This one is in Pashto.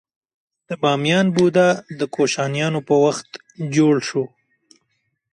د بامیان بودا د کوشانیانو په وخت جوړ شو